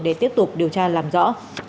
để tiếp tục điều tra làm rõ